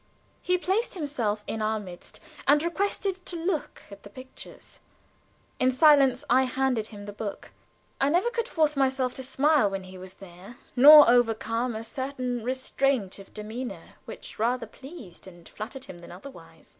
He placed himself in our midst, and requested to look at the pictures. In silence I handed him the book. I never could force myself to smile when he was there, nor overcome a certain restraint of demeanor which rather pleased and flattered him than otherwise.